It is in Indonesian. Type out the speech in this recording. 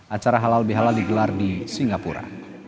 acara halal bihalal digelar di singapura